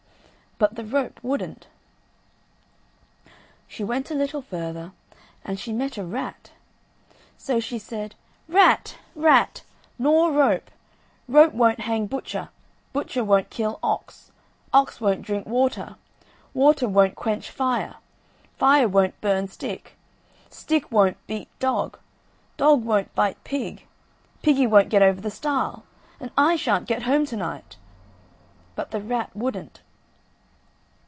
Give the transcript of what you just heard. But the rope wouldn't. She went a little further, and she met a rat. So she said: "Rat! rat! gnaw rope; rope won't hang butcher; butcher won't kill ox; ox won't drink water; water won't quench fire; fire won't burn stick; stick won't beat dog; dog won't bite pig; piggy won't get over the stile; and I shan't get home to night." But the rat wouldn't.